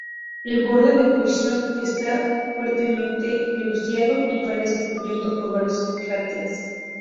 El borde de Poisson está fuertemente erosionado, y aparece cubierto por varios cráteres.